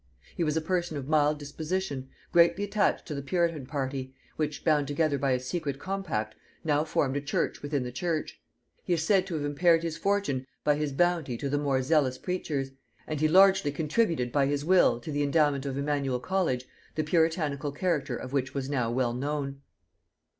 He was a person of mild disposition, greatly attached to the puritan party, which, bound together by a secret compact, now formed a church within the church; he is said to have impaired his fortune by his bounty to the more zealous preachers; and be largely contributed by his will to the endowment of Emanuel college, the puritanical character of which was now well known.